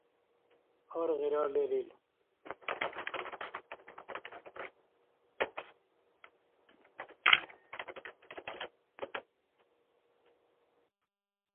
Аргъира лерил.